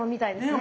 ね。